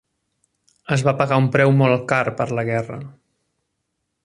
Es va pagar un preu molt car per la guerra.